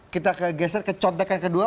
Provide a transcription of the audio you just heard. kita kegeser ke contekan kedua